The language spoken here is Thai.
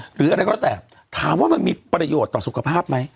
หรืออะไรก็แล้วแต่ถามว่ามันมีประโยชน์ต่อสุขภาพไหม